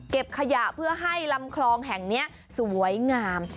ขยะเพื่อให้ลำคลองแห่งนี้สวยงาม